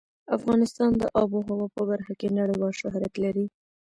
افغانستان د آب وهوا په برخه کې نړیوال شهرت لري.